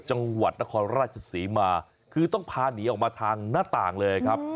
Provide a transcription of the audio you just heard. จังหวัดนครราชศรีมาคือต้องพาหนีออกมาทางหน้าต่างเลยครับ